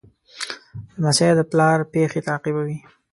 لمسی د پلار پېښې تعقیبوي.